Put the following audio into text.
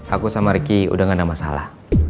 aku sama ricky udah gak ada masalah